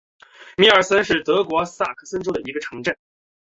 米尔森是德国萨克森州的一个市镇。